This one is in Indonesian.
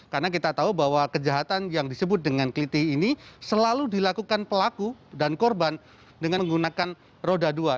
karena kita tahu bahwa kejahatan yang disebut dengan keliti ini selalu dilakukan pelaku dan korban dengan menggunakan roda dua